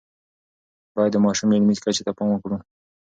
باید د ماشومانو علمی کچې ته پام وکړو.